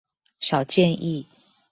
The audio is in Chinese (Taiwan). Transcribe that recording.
小建議